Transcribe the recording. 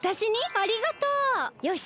ありがとう！よし！